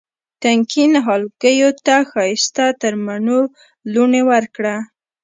تنکي نهالګیو ته ښایسته ترمڼو لوڼې ورکړه